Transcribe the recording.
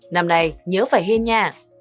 năm nay nhớ phải hên nha